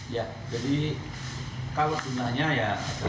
ya jadi kalau sebenarnya ya